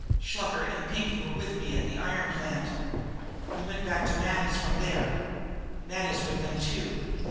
Shluker and Pinkie were with me at the iron plant. We went back to Matty's from there. Matty's with them, too.